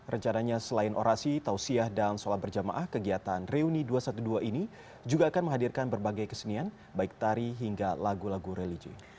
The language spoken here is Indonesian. rencananya selain orasi tausiah dan sholat berjamaah kegiatan reuni dua ratus dua belas ini juga akan menghadirkan berbagai kesenian baik tari hingga lagu lagu religi